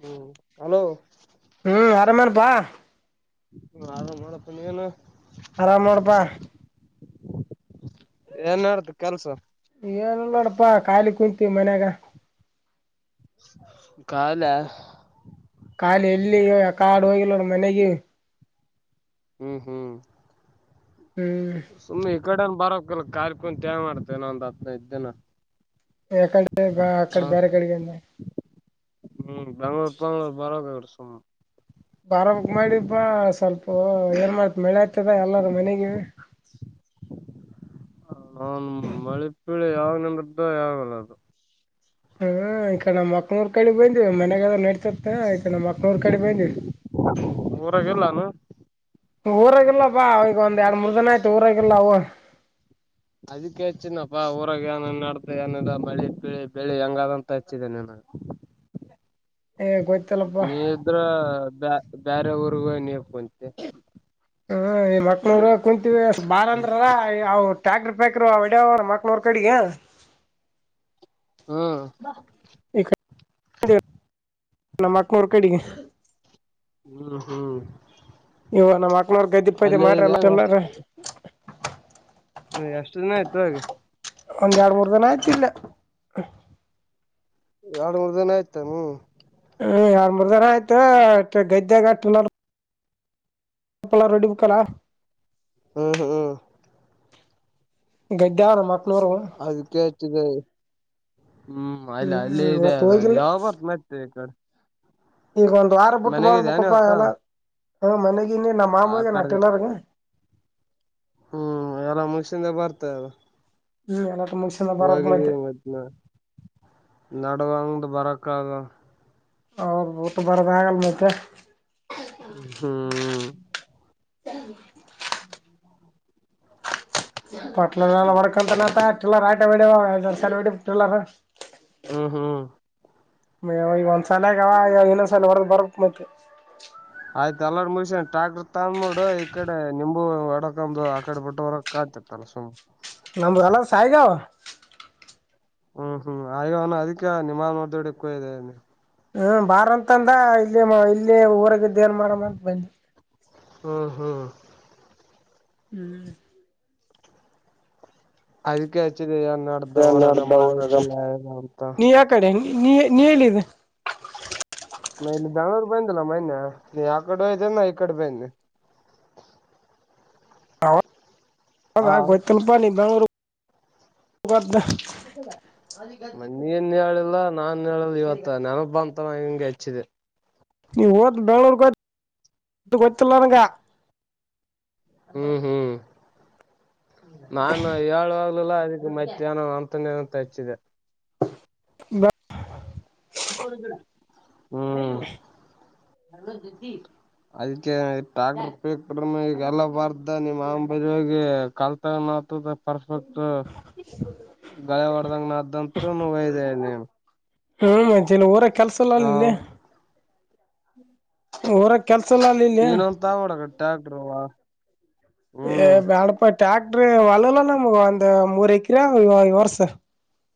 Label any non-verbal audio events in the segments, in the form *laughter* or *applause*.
ಹ್ಮ ಹಲೋ ಹ್ಮ್ ಆರಾಮನಪಾ ಹ್ಮ ಆರಾಮ ಮಾಡಪ್ಪ ನೀ ಏನು ಆರಾಮ್ ನೋಡಪಾ ಏನ್ ಮಾಡಡ್ತು ಕೆಲ್ಸ ಏನ ನೋಡಪಾ ಕಾಯಿ ಕುಂತೀವಿ ಮನ್ಯಾಗ ಕಾಲ ಕಖಾಲಿ ಎಲ್ಲಿ ಕಾಡು ಹೋಗಿಲ್ಲ್ರ ಮನೆಗೆ ಹ್ಮ್ ಹ್ಮ್ ಹ್ಮ್ ಸುಮ್ಮನೆ ಈ ಕಡೆನ್ ಬಾರ ಕಾರ್ಕಂತೇ ಮಾಡ್ತೇ ನ ಒಂದ್ ಹದನೈದದು ದಿನ ಎಕಡೆ ಬ ಅಕ್ಕಡೆ ಬೇರೆ ಕಡಿಗಿಂದ ಹ್ಮ್ ಬೆಂಗಗಳೂರ್ ಬಂಗಳೂರ್ ಬರೋವಾಗಿ ಸ ಬಾರಕ್ ಮಾಡಿಬಾ ಸ್ವಲ್ಪ ಏನ್ ಮಾಡ್ತಿ ಮಳೆ ಆತದ ಎಲ್ಲಾರ ಮನೆಗೆ ಹ ನಾನ್ ಮಳೆ ಪೀಳಿ ಯಾವಾಗ್ ನಿಮದ್ದ ಯಾವಾಗಲ್ಲ ಅದು ಹ್ಮ ಈಕ ನಮ್ಮ ಮಕ್ಕನೂರು ಕಡೆ ಬಂದ್ವಿ ಮನೆಗೆ ನಡತತ್ತ ಆಯ್ತ ನಮ್ಮ ಮಕ್ನೂರ್ ಕಡೆ ಬಂದ್ವಿ ಊರಾಗಲ್ಲಾನು ಊರಾಗಿಲ್ಲ ಬಾ ಅವಗ ಒಂದ್ ಎರಡ್ ಮೂರ್ ಜನ ಆಯ್ತು ಊರಾಗಿಲ್ಲ ಅವವು ಅದಕ್ಕೆ ಹೆಚ್ಚಿದಪ್ಪಾ ಊರಾಗ ಏನ್ನ್ ನಡ್ದ ಏನದ ಮಳಿ ಪೀಳಿ ಬೆಳಿ ಹೆಂಗಾದದಂತ ಹೆಚ್ಚಿದ ನನ್ *inaudible* ಹ ಗೊ ನೀ ಇದ್ರ ಬೇರೆ ಊರ್ಗೂ ನೀರ್ಕಂತ ಹ ಈ ಮಕ್ಳವರು ಕುಂತವಿ ಬಾರ ಅಂದ್ರವು ಟ್ಯಾಕ್ರ್ ಪಫ್ಯಾಕ್ರ್ ಅವ್ಡ್ಯವ ಮಕ್ಳವ್ರ ಕಡೆಗೆ ಹ ಹ್ಮ್ ನಮ್ಮಕ್ನರು ಕಡಿಗೆ ಹ್ಮ್ ಹ್ಮ್ ಇವ ನಮ್ಮ್ ಅಕ್ನವ್ರ ಗದ್ದಿ ಪೈ್ದಿ ಅಲ್ಲೇ ಇದೆ ಮಾಡ್ರಲ್ಲಾರ ಎಷ್ಟು ದಿನ ಆಯ್ತು ಈಗ ಒಂದ್ ಎರಡು ಮೂರು ದಿನ ಆಯ್ತಿಲ್ಲ ಎರಡು ಮೂರ್ ದಿನ ಆಯ್ತ ಹ್ಮ ಹ ಯಾರ ಮರುದಾರ ಆಯ್ತ ಗದ್ದೆಾಗಟ್ಟ ಎಪ್ಪಲ್ಲಾ ರೆಡಿ ಬಕ್ಕಲಾ ಹ್ಮ್ ಹ್ಮ್ ಹ್ಮ್ ಗದ್ದ್ಯ ನಮ್ಮ ಅಕ್ನೂರು ಅದು ಕೇತಿದೆ ಹ್ಮ್ ಅಲ್ಲ ಅಲ್ಲಿ ಹ್ಮ್ ಇದೆ ಇವತ್ತು ಅದ ಹೋಗಿಲ್ಲ ಯಾವ ಬರ್ತ ಮತ್ತ ಈ ಕಡೆ ಈಗ ಒಂದ್ ವಾರ ಬಿಟ್ಟ ಮನೆಗಿದ್ಯಾ ಬರ್ಬೇಕಪ್ಪಾ ನೀವತ್ತ ಎಲ್ಲ ಮನೆಗ ಇನ್ನಿ ನಮ್ಮ ಆ ಮಾಮೂಗೆ ನ ಕಡೆ ಟಲರ್ಗೆ ಹ್ಮ್ ಎಲ್ಲ ಮುಗಸಿಂದ ಬರ್ತ ಅದ ಹ್ಮ್ ಮುಗಿಸಿಂದ ಬರಬೇಕ್ ಮತ್ತೆ ಹೋಗಿದೀವಿ ಮತ್ತ ನಡವಂಗ ಬರಕ್ಕಾಗ ಅವಔರು ಬಟ ಬರ್ ಭಾಗಲ್ ಮಕ್ಕೆ ಹಾ ಚ ಪಟ್ಲಲ್ಲ ವರಕಂತ ಟಿಲ್ಲರ್ ಆಯಟ ವೇಡಿ ಟಿಲ್ಲರ್ ಹ ಹಾ ಾವ ಈಗ ಒಂದ್ ಸಲ ಆಗಾವ ಇನ್ನೊಂದ್ಸಲ ಹೊರದ ಬರ್ ಮತ್ತ ಆಯ್ತ ಎಲ್ಲ ಮುಸನ್ ಟ್ಯಾಕ್ಟರ್ ತಂದ್ ನೋಡ ಈ ಕಡೆ ನಿಂಬು ಒಡಕಂಬು ಆಕಡೆ ಬಿಟ್ಟ ಹೊರಕ್ ತಲ್ಲ ಸುಮ ನಮ್ಮಲ್ಲ ಸಾಯಿಗಾವ ಹ್ಮ್ ಹ್ಮ್ ಆಗ ಅವನು ಅದಕ್ಕೆ ನಿಮಾ್ ನೋಡ್ದಡಕ್ಕೂ ಇದೆಿ ಹ್ಮ ಬಾರ ಅಂತಂದ ಇಲ್ಲಿ ಇಲ್ಲಿ ಊರಾಗಿದ್ದ ಏನ್ ಮಾಡಮ್ಮ ಅಂತ ಬಂದಿ ಹ್ಮ್ ಹ್ಮ್ ಹ್ಮ್ ಅದಕ್ಕೆ ಹಚ್ಚಿದೆನ್ನ ಅರ್್ದ ಏನ್ ಹೊರಾಗ ನಡ್ದ ಮಳೆ ಊರಾಗ ಇ ಅಂತ ನೀ ಯಾ ಕಡೆ ನೀ ನೀ ಹೇಳಲ್ಲಿದೆ ಮ ಜಾನುವರು ಬಂದ ತಲ್ಲ ಮನ್ ಯಕಡೆ ವಯತ ನ ಇಕಡೆ ಬಂದ ಹ ಗತಲು ಪ ಬ ನೀನ್ ಹೇಳಿಲ್ಲ ನಾನ್ ಹೇಳಿಲ್ಲ ಇವತ್ತ ನೆನಪ ಅಂತ ಹೆಂಗೆ ಹೆಚ್ಚ ಇದ ನೀ ಓದ ಬೆಂಳೂರುತ್ತರ್ಲ್ಲಾರಂಗ ಹ್ಮ್ ಹ್ಮ್ ನಾನ್ು ಳ್ ಅದಕ್ಕೆ ಮಧ್ಯಾಹ್ನ ಅಂತನೇ ಅಂತ ಹಚ್ಚಿದೆ. *unintelligible* *inaudible* *inaudible* ಹಲೋ ದದ್ದಿ ಅದಕ್ಕೆ *unintelligible* ಈಗಲ್ಲ ಬರ್ತೆ ನಿಮ್ ಅಂಬಜೋಗಿ ಕಲ್ತ ಪರ್ಫೆಕ್ಟ್ ಗಳೆ ಹೊಡದಂಗ ನ್ದಂತು ನ್ದ *unintelligible* ಹ್ಮ್ ಮಜನ ಊರ ಹ ಕೆಲ್ಸಲ್ಲಲ್ಲಿ ಇಲ್ಲಿ ಊರ ಕೆಲ್ಸ ಇಲ್ಲ ಇಲ್ಲಿ ನೀನುಂದು ತಬುಡ್ ಟ್ಯಾಕ್ಟ್ರವ ಬ್ಯಾಳಪಾಟ್ ಟ್ಯಾಕ್ಟ್ರ ಒಲಲ್ಲ ನಮ್ಗ ಒಂದ ಮೂರ್ ಎಕ್ರಾ ಇ ವರ್ಸ.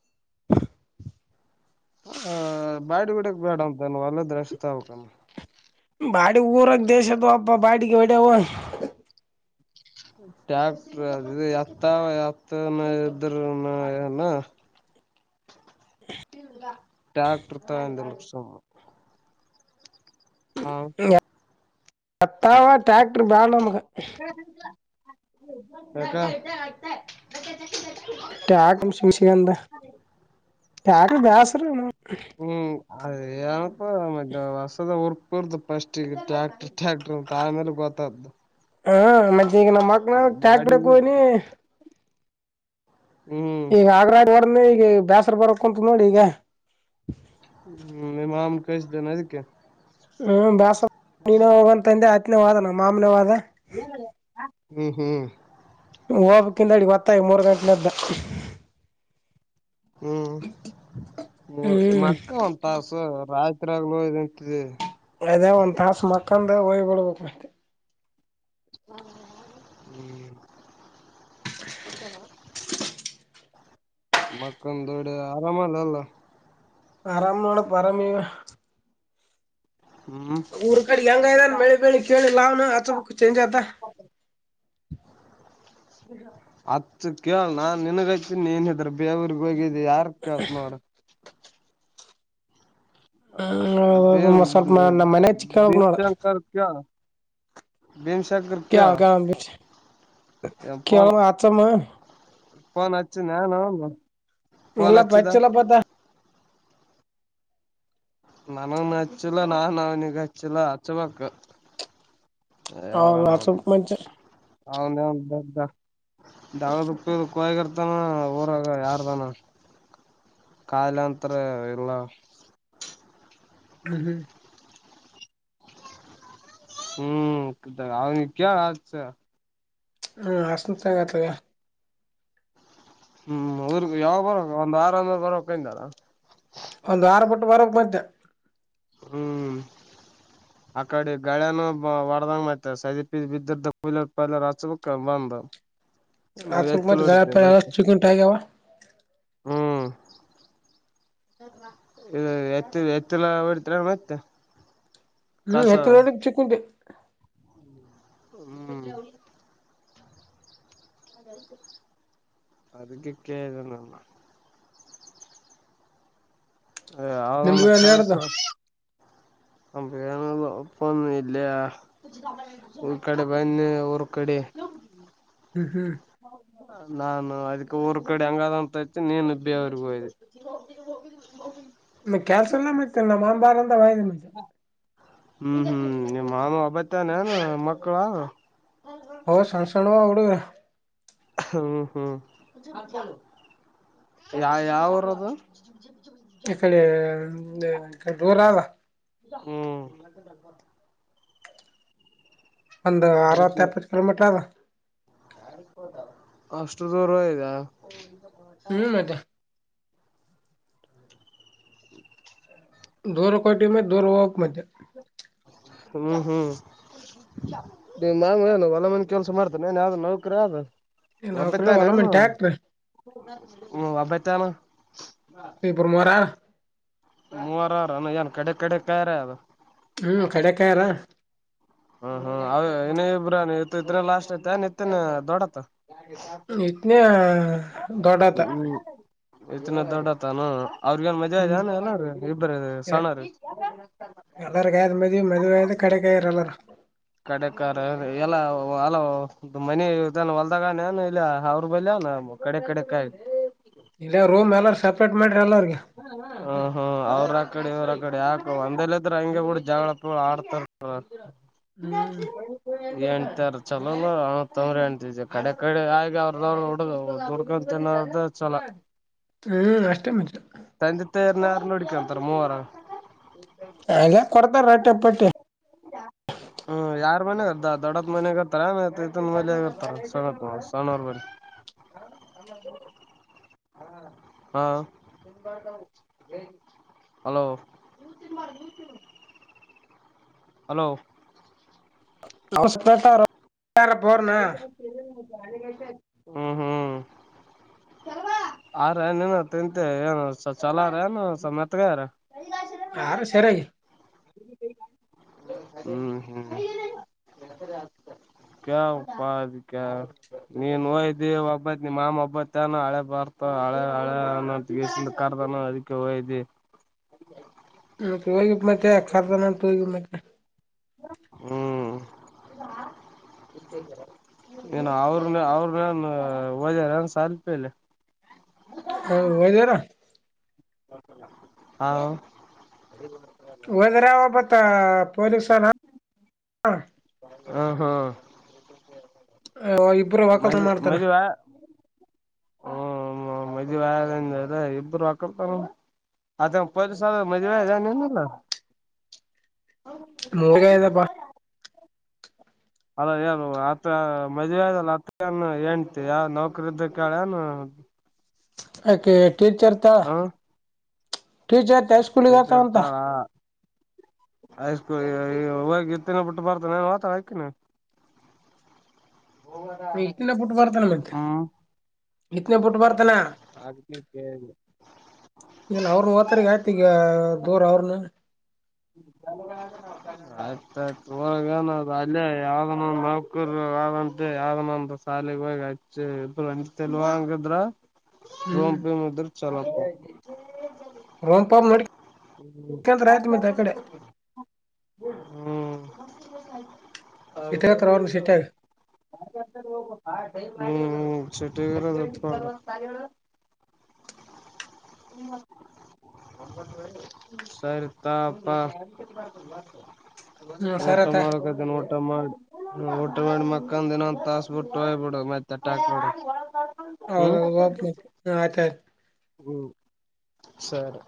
*inaudible* ಹ ಬಾ ಗಿಡಕ್ ಬೇಡ ಅಂತ ನೀ ಅಲ್ಲೇ ದ್ರಷ್ಟ ತಾವಬೇಕಂದ ಬಾಡಿ ಊರಾಗ ದೇಶದು ಅಬ್ಬ ಬಾಡಿಗೆ ಒಡವು ಟ್ಯಾಕ್ಟ್ರ ಅ ಎತ್ತ ಎತ್ತನ ಇದ್ರು ನ ಟ್ಯಾಕ್ಟರ್ ತಂದ ನೆಡ್ಸಮ. ಹಾ ಸತ್ತಾವ ಟ್ರಕ್ರ್ *inaudible* *unintelligible* ಟ್ಯಾಗಂ ಸಿಸಗಂತ ಟಾಗ ಬಸರ *unintelligible* ಹ್ಮ್ ಅದ ಏನಪ್ಪ ಮೆತೆ ಹೊಸದ ಉರುಪರ್ದು ಪಸ್ಟ್ ಈಗ ಟ್ಯಾಕ್ಟರ್ ಟ್ಯಾಕ್ಟರ್ ಅಮೇಲೆ ಗೊತ್ತ *unintelligible* ಹ್ಮ ಮತ್ತೆ ಈಗ ನಮ್ಮ ಮಕ್ಕಳನ ಟ್ರ್ಯಾಕ್ಟ್ರು ಬಾಡಿಗೆ *unintelligible* ಹ್ಮ್ ಈಗ ಆಗ್ರಾ ಡ ಈಗಿ ಬ್ಯಸ್ರ ಬರಕ್ಂತ ನೋಡ್ ಈಗೆ ಹ್ಮ್ ಇಮಾಮ ಕಷ್ಟಿದೆನಕ್ಕೆ ಹ್ಮ ಬ್ಯಾಸ ನೀನ ಹೋಗಂತ ಅಂದ್ರೆ ಆತ್ನೇವಾದ ನಾವ್ ಮಾಮೂನವಾದ. ಹ್ಮ್ ಹ್ಮ್ ಹೋಗಬೇಕ *unintelligible* ಅಡ ಮತ್ತಾಯ ಮೂರು ಗಂಟನದ್ದ ಹ್ಮ್ ಮೂ ಹ್ಮ್ ಮಕ್ಕ ಒಂದ ತಾಸು ರಾಯತ್ರಿಾಗಲು ಇಂತ ಅದೇ ಒಂದ್ ತಾಸ ಮಕ್ಕಂದ ಹೊಯ್ಬಡ್ಬೇಕು ಮತ್ತ *unintelligible* ಮಕ್ಕನ್ ದೊಡ್ಡ ಆರಾಮ ಅಲ್ಲ ಅಲ್ಲ. ಆರಾಮ್ ನೋಡ ಪ ಅರಾಮಿಗ ಹ್ಮ್ ಊರ್ ಕಡೆ ಹೆಂಗ ಇದದಾನ ಮಳೆ ಬೆೇಳಿ ಕೇಳಿ ಲಾವ್ನು ಆ ಬಕ್ ಚೇಂಜ್ ಆತ. *inaudible* ಅತ್ ಕೇಳ ನಾನ್ ನಿನಗಾಯ್ತೀನಿ ನೀನಿದ್ರ ಬೇವರ್ಗ್ ಹೋಗಿದ್ದಿ ಯಾರ್ ಕೇಳ್ತಿ ನೊಡ್ ಹ ಹ್ಮ್ ಹೌದೌದು ಸ್ವಲ್ಪ ನಮ್ಮ ಮನೆ ಹಚ್ಚಿ ಕೇಳ್ಬೇಕ್ ನೋಡ ದವಶಕ ಕ *unintelligible* ಕ ಕ ಕೇ ಫೋನ್ ಆತಸಮ್ಮ *unintelligible* ಫೋನ್ ಅಚ್ಚಿನೇನೋ ಇಲ್ಲ ಪಚ್ಚಿಲ ಪತ ನನ್ ಹಚ್ಚುಲ ನಾನನ್ ಅವನಗಚ್ಚಲ ಅಚ್ಚವಾಕ ಹೌ ವಸಪ್ ಮೆ *unintelligible* ಅವ್ನ್ಯವನ್ *unintelligible* ದಾವದಕ್ಕ ಕಾಯಿಗರ್ತಾನ ಊರಾಗ ಯಾರದಾನ ಕಾಲಂತರ ಇಲ್ಲ ಹ್ಮ ಹ್ಮ ಹ್ಮ್ ಅವ ಹತ ಹ್ಮ್ ಅಸ ತಗತದೆ ಹ್ಮ್ ಯಾವಾಗ ಬರ ಒಂದ್ ಆರಂದ ಬರಕ್ಿಂ *unintelligible* ದಾರ ಒಂದು ಆರ ಬಿಟ್ಟು ಬರಕ್ ಮತ್ತೆ ಹ್ಮ್ ಆ ಕಡೆ ಗಳನ ಹೊಡದಂಗ ಮಾಡ್ತ ಸದ ಬಿದ್ದ ಪ ಹಚ್ಕ್ ಬಂದ ಹಚ್ಚಬೇಕು ಎತ್ತಿಲು ಮತ್ತ್ ಗಳೆ ಹೊಡಿತೆ ಮತ್ತೆ ಕುಂಟಿ ಮಸ್ತ ಅಗ್ಯಾವ ಇ ಎತ್ತು ಎತ್ತುಲ ಬಿಡ್ತ ಮತ್ತೆ ಹ್ಮ್ ಕಸ ಎತ್ತ ರೋಟ ಚಿಕ್ಕುಂಟೆ ಹ್ಮ್ ಅದಕ್ಕೆ ಕ್ದನಲ್ಲ ಅವ ನಿಮ್ಗೆ ಕೆಳ್ಸ ನಡ್ದ ಅಪೂ ಇಲ್ಲಯಾ ಈ ಕಡೆ ಬನ್ ರ್ಕಡೆ ಹ ಹ್ಮ್ ಹ್ಮ್ ನಾನು ಅದಕ್ಕೆ ಊರ್ ಕಡೆ ಹಂಗಾದಂತ ಅಚ್ಚಿನಿ ನೀನು ಬೇವುರಿಗಿ ಹೋದಿ ಹೋಗ್ ಕೆಲ್ಸ ಇಲ್ಲ ಮತ್ತೆ ನಮ್ಮ ಮಾಮ ಬಾರ *unintelligible* ಅಂದ ವಾಯ್ದ ಮತ್ತೆ ಹ್ಮ್ ಹ್ಮ್ ಮಾಮ ಒಬ್ಬತ ಅದನೆನ್ ಮಕ್ಕಳು ಅವ ಅವು ಸಣಸಣವ ಹುಡುಗ ಹ್ಮ್ ಹ್ಮ್ ಯ ಯಾವ ಊರದು ಇ ಕಡೆ ದೂರದ ಹ್ಮ್ ಒಂದು ಆರವತ್ತು ಅದಕ್ಕೆ ಎಪ್ಪತ್ತು ಕಿಲೋಮೀಟರ್ ಅದ ಅಷ್ಟು ದೂರ ಇದಾ ಹ್ಮ್ ಮತ್ತೆ ಹ್ಮ ದೂರ ಕೊಟ್ಟಿ ಮತ್ತೆ ದೂರ ಹೋಗ್ಬೇಕ್ ಮತ್ತ್ ಹ್ಮ್ ಹ್ಮ್ ನೀ ಮಾಮ ಏನು ಹೊಲ ಮನಿ ಕೆಲ್ಸ ಮಾಡ್ತಾನ ಏನ್ ಯಾವ್ದ ನೌಕರಿ ಆದಾ ನಾವ್ ಕಡೆ ಒಬ್ಬತಾ ಹೊಲ ಅನಾ ಮಂಟಿ ಹಾಕ್ರಿ ಒಬ್ಬತಾನ ಇಬ್ರು ಮುವಾರ ಆರಾ ಮೂವರಾರನ ಏನ್ ಕಡೆ ಕಡೆ ಯಾರ್ ಅರಾ ಹ್ಮ್ ಕಡೇಕಾಯಾರ ಹ್ಮ್ ಹ್ಮ್ ಅವ ಇನ ಇಬ್ರ ನಿ ಇದ್ರ ಲಾಸ್ಟ್ ಐತೆ ನಿತ್ತನ ದೊಡ್ಡತ್ ಇತನ ದೊಡತ ಇತ್ನ ದೊಡ್ಡತ್ತಾನ ಅವ್ರಗೆ ಏನ್ ಮದ್ವಿ ಹ್ಮ್ ಅಗೆದೆನ್ ಎಲ್ಲರ ಇಬ್ಬರು ಸಣರಿ ಎಲ್ಲರಿಗಿ ಆಗ್ಯದ ಮದ್ವಿ ಮದ್ವಿ ಆಗಿಂದ ಕಡೇಕ ಆಗ್ಯಾರ ಎಲ್ಲರೂ ಕಡೆೇಕಾರ್ ಎಲ್ಲ ಅಲ ಮನಿ ಹೊಲ್ದಾಗ ಅನಾ ಇಲ್ಲ ಅವ್ರ ಬಲ್ಯ ಅನಾ ನಮ್ಮ ಕಡೆ ಕಡೆ ಕಾಯ್ತು ಇಲ್ಲಿ ರೂಮ್ ಎಲ್ಲ ಸಪ್ರೇಟ್ ಮಾಡ್ರಿ ಎಲ್ಲರೂ ಹೂ ಹೂ ಅವರು ಅಕಾಡಿ ಇವರು ಇಕಾಡಿ ಯಾಕ ಒಂದಲ್ಲಿ ಇದ್ರ ಅಂಗೇ ಬಿಡು ಜಗಳ ಪಗಳ ಆಡ್ತಿರ್ತಾವ ಹ್ಮ್ ಹೆಂಡ್ತೀರು ಚೊಲೋ ಅಲ್ಲ ಅಣ್ಣತಮ್ಮರ ಹೆಂಡ್ತಿ ಕಡೆ ಕಡೆ ಆಗಿ ಅವರ್ದು ಅವರು ಹೊಡದು ದುಡುಕೊಂಡು ತಿಂದ್ರ ಇನಾ ಅದ ಚೊಲೋ ಹ ಅಷ್ಟೇ ಮತ್ತೆ ತಂದೆ ತಯಾರ್ನ ಯಾರ್ ನೋಡ್ಕೋತಾರ ಮೂವರು ಅಂಗೇ ಕೊಡ್ತಾರಾ ರೊಟ್ಟೆ ಪಟ್ಟೆ ಹಾ ಹೂ ಯಾರ್ ಮನ್ಯಾಗ ಅಂತ ದೊಡ್ಡಪ್ಪ ಮನ್ಯಾಗ ಅಂತ ಎನ್ ಆತ ಈತನ ಸಣ್ಣತ ಸನ್ನೋಣ ಬಲ್ಲಿ ಹಾ ಹಲೋ ಹಲೋ ಅಸ್ಪೆಟರ್ ಪೋ ರ ನಾ ಹ್ಮ್ ಹ್ಮ್ ಆರಾ ಎನ್ ಇನಾ ತಿಂತಿ ಚೊಲೋ ಅರಾ ಎನ್ ಮೆತ್ತಗ ಆಗ್ಯಾರ ಯಾರು ಸರಿಯಾಗಿ ಹ್ಮ್ ಹ್ಮ್ ಕೇಳ್ಬೇಕು ಪಾ ಕೇಳ್ಬೇಕು ನೀನು ಹೋದಿ ನೀನು ಒಬ್ಬತ ನಿಮ್ಮ ಮಾಮ ಒಬ್ಬತ ಅನಾ ಅಳಿಯ ಬಾರಪಾ ಅಳಿಯ ಅಳಿಯ ಅಂತ ಕರದು ಅದಿಕ್ಕೇ ಹೋಗಿದ್ದಿ ಹೋಗಿದ್ದೆ ಮತ್ತೆ ಕರೆದನ ಅಂತ ಹೋಗಿದ್ದೆ ಮತ್ತೆ ಹ್ಮ್ ಏನ ಅವ್ರ ಅವ್ರನ್ ಎನ್ ಹೋದಿಲೆನ್ ಸಾಲಿಪಿಲಿ ಹೋದ್ಯರ ಹಾ ಹೋದ್ಯರ ಮತ್ ಹ ಹಾ ಇಬ್ರು ವಕಲ್ ಮದ್ವೆ ಮಾಡ್ತಾರ ಮದುವೆ ಹ್ಮ ಮದುವೆ ಆದಂಗೆ ಇದೆ ಇಬ್ಬರು ಅಕ್ಕರ್ತ *unintelligible* ಮದುವೆ ಅದನಿಲ್ಲ *inaudible* ನೋಡಯಯಪ್ಪ ಅಲ್ಲ ಯಾರ ಆತ್ರ ಮದುವೇ ಆದಲ್ಲ ಅತ್ರಾನ ಏನಂತ ಯಾವ ನೌಕರಿ ಇದ್ದ ಕೇಳನು *inaudible* ಅಕೆ ಟೀಚರ್ ಟೀಚರ್ ಹೈ ಸ್ಕೂಲ್ಗ ಹೋಗ್ತಾರಂತ ಹೈ ಸ್ಕೂಲ್ ಹ ಇತ್ತನೇ ಬಿಟ್ಟು ಬರ್ತ ನಂತ ಹಾಕಿನ *inaudible* ಇತನ ಬುಟಬರ್ತನಮತ್ ಇತನ ಬುಟ ಬರ್ತನ ಆಗ್ಲಿಕ್ಕೆ ಇಲ್ಲ ಅವ್ರರು ಹೋತರು ಆಯ್ತು ಈಗ ದೂರ ಅವ್ರನು *inaudible* ಆಯತ್ಯತ್ ಒಳಗನದು ಅಲ್ಲೇ ಯಾವುದಾನ ಒಂದು ನೌಕರಿ ಯಾವ್ದ ನಂತ ಸಾಲೆಗೆ ಹೋಗಿ ಹಚ್ಚು ಇಬ್ರು ಒಂದ ತಲ್ವಾಂಗಿದ್ರ ಹ್ಮ್ ರೂಮ್ ಇದ್ರೆ ಚಲೋ ರೋಂಪಾ ನೆಡಿತು ಹ್ಮ ಹ್ಮ್ ಸಿಟ್ಟ ಹ್ಮ್ ಹತ್ರ ಅವ್ರನ್ನ ಸಿಟ್ಟಾಗ ಹ್ಮ ಚಾಟಿರ್ರ ಇರಪ್ಪ ಹು *unintelligible* ಸರಿ ತಕೊಪ್ಪ ಹ್ಮ ಊಟ ಸರತ ಮಾಡಕದನೆ ಊಟ ಮಾಡ್ ಊಟ ಮಾಡ ಮಕ್ಕಂದ ದಿನಂದು ತಾಸಸ್ಬುಟ್ಟು ಹಯ್ಬಡ ಮತ್ತ ಅಟಾಕ್ಡ ಹೌದ ಆಯ್ತು ಹ್ಮ್ ಸರಿ